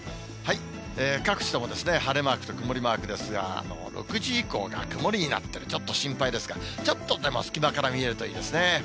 各地とも晴れマークと曇りマークですが、６時以降が曇りになってる、ちょっと心配ですが、ちょっとでも隙間から見えるといいですね。